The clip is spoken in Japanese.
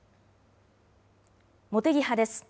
茂木派です。